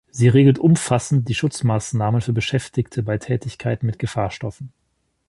Sie regelt umfassend die Schutzmaßnahmen für Beschäftigte bei Tätigkeiten mit Gefahrstoffen.